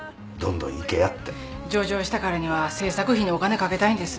上場したからには制作費にお金かけたいんです。